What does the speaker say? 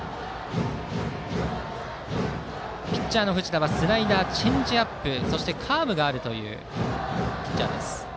ピッチャーの藤田はスライダー、チェンジアップそして、カーブがあります。